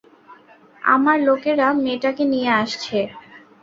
আমার লোকেরা মেয়েটাকে নিয়ে আসছে!